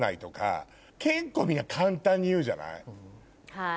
はい。